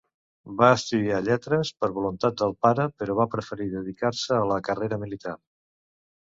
Va estudiar Lletres, per voluntat del pare, però va preferir dedicar-se a la carrera militar.